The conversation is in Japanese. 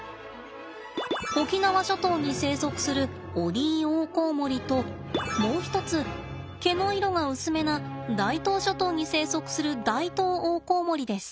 沖縄諸島に生息するオリイオオコウモリともう一つ毛の色が薄めな大東諸島に生息するダイトウオオコウモリです。